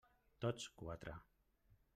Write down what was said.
Tots quatre.